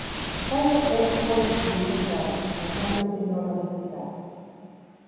Tallo único o dividido en varios, normalmente no ramificado.